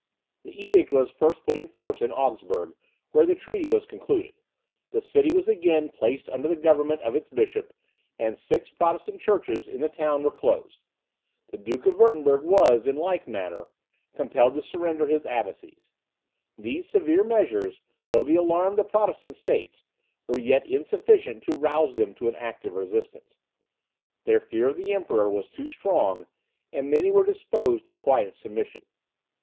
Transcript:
The edict was first put in force in Augsburg, where the treaty was concluded; the city was again placed under the government of its bishop, and six Protestant churches in the town were closed. The Duke of Wirtemberg was, in like manner, compelled to surrender his abbacies. These severe measures, though they alarmed the Protestant states, were yet insufficient to rouse them to an active resistance. Their fear of the Emperor was too strong, and many were disposed to quiet submission.